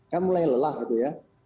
kan mulai lelah gitu ya